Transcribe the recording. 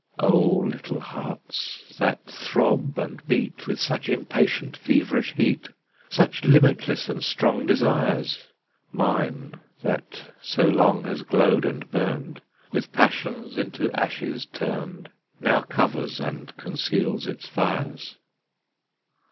O little hearts! that throb and beat With such impatient, feverish heat, Such limitless and strong desires; Mine that so long has glowed and burned, With passions into ashes turned Now covers and conceals its fires.